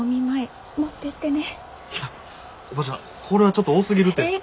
これはちょっと多すぎるて。